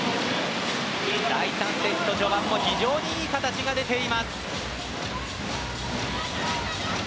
第３戦の序盤も非常にいい形が出ています。